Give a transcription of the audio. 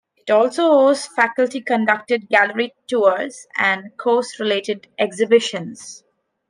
It also hosts faculty-conducted gallery tours and course-related exhibitions.